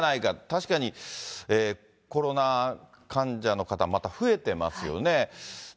確かに、コロナ患者の方、また増えてますよね。